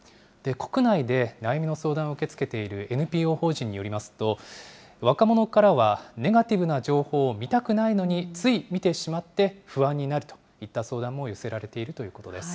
国内で悩みの相談を受け付けているＮＰＯ法人によりますと、若者からはネガティブな情報を見たくないのについ見てしまって、不安になるといった相談も寄せられているということです。